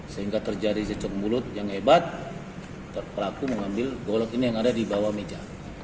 sehingga terjadi cecok mulut yang hebat pelaku mengambil golok ini yang ada di bawah meja